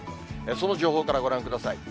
その情報からご覧ください。